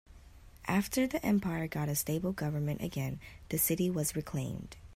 After the empire got a stable government again, the city was reclaimed.